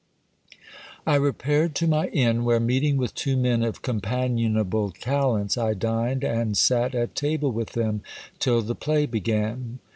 I repaired to my inn, where meeting with two men of companionable talents, I dined and sat at table with them till the play began.